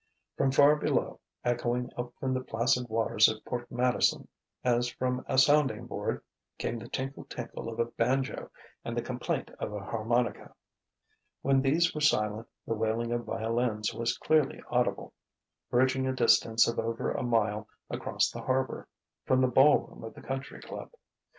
From far below, echoing up from the placid waters of Port Madison as from a sounding board, came the tinkle tinkle of a banjo and the complaint of a harmonica. When these were silent the wailing of violins was clearly audible, bridging a distance of over a mile across the harbour, from the ball room of the country club.